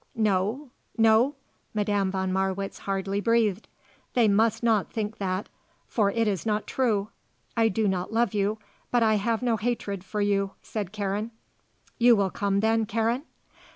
"No; no?" Madame von Marwitz hardly breathed. "They must not think that; for it is not true. I do not love you, but I have no hatred for you," said Karen. "You will come then, Karen?"